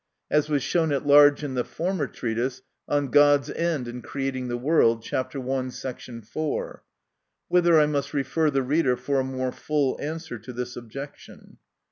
[As was shown at large in the trea tise, on God's end in creating the world, Chapter I. Sect. 4 ; whither I must refer the reader for a more full answer to this objection.